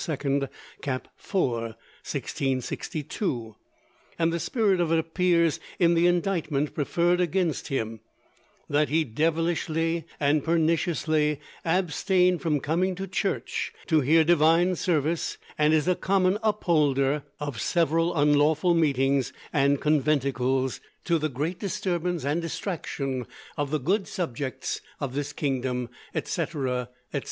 Cap. 4, 1662; and the spirit of it appears in the indictment preferred against him: "that he hath devilishly and perniciously abstained from coming to Church to hear Divine service, and is a common upholder of several unlawful meetings and conventicles, to the great disturbance and distraction of the good subjects of this Kingdom," etc., etc.